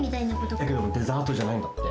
だけどデザートじゃないんだって。